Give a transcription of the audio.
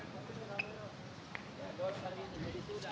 ini benar kemudaran diri kok